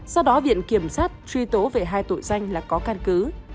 sau đó viện kiểm sát truy tố về hai tội danh là có căn cứ